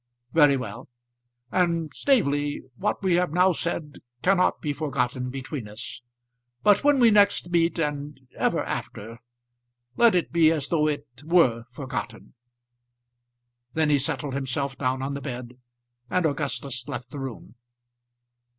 "Very well. And, Staveley, what we have now said cannot be forgotten between us; but when we next meet, and ever after, let it be as though it were forgotten." Then he settled himself down on the bed, and Augustus left the room.